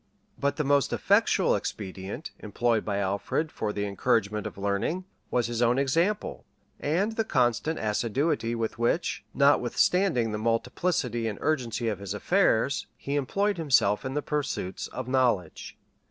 ] But the most effectual expedient, employed by Alfred for the encouragement of learning, was his own example, and the constant assiduity with which, notwithstanding the multiplicity and urgency of his affairs, he employed himself in the pursuits of knowledge.